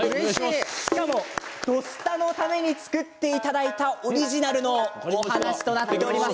しかも、「土スタ」のために作っていただいたオリジナルのお話となっております。